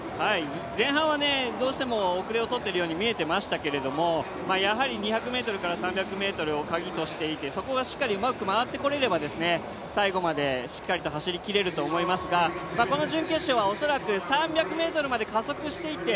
前半はどうしても後れを取っているように見えましたけれども、やはり２００ｍから３００ｍをカギとしていてそこがしっかりうまく回ってこれれば最後までしっかりと走りきれると思いますが、この準決勝は恐らく３００ｍまで加速していって